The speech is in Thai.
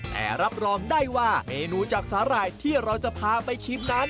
แต่รับรองได้ว่าเมนูจากสาหร่ายที่เราจะพาไปชิมนั้น